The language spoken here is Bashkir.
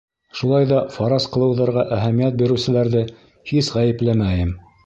Шулай ҙа фараз ҡылыуҙарға әһәмиәт биреүселәрҙе һис ғәйепләмәйем.